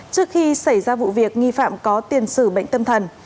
trước khi xảy ra vụ việc nghi phạm có tiền sử bệnh tâm thần